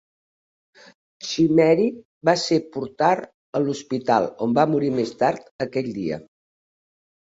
Chimeri va ser portar a l'hospital, on va morir més tard aquell dia.